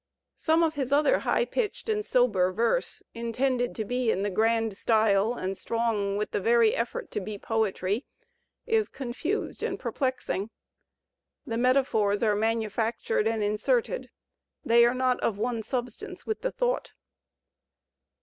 Some of his other high pitched and sober verse, intended to be in the grand style and strong with the very eflFort to be poetry, is confused and perplexing. The metaphors are manufactured and inserted; they are not of one substance with the thought.